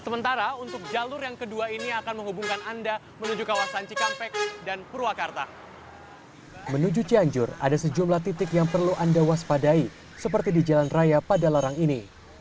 menuju cianjur ada sejumlah titik yang perlu anda waspadai seperti di jalan raya pada larang ini